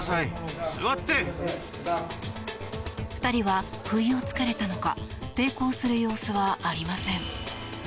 ２人は不意を突かれたのか抵抗する様子はありません。